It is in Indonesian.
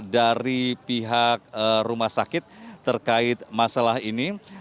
dari pihak rumah sakit terkait masalah ini